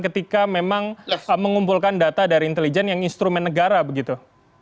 ketika memang mengumpulkan data dari intelijen yang instrumen negara begitu